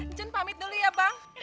mungkin pamit dulu ya bang